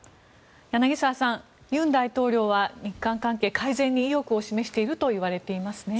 柳澤さん尹大統領は日韓関係改善に意欲を示しているといわれていますね。